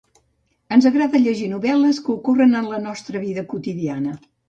Ens agrada llegir novel·les que ocorren en la nostra vida quotidiana.